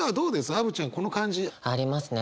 アヴちゃんこの感じ。ありますね。